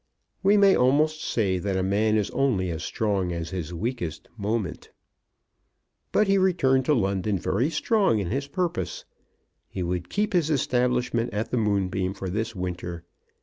We may almost say that a man is only as strong as his weakest moment. But he returned to London very strong in his purpose. He would keep his establishment at the Moonbeam for this winter.